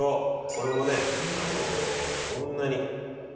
これもね、そんなに。